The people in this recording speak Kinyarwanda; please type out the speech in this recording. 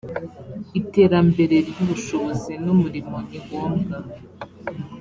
iterambere ry’ubushobozi n’umurimo ni ngombwa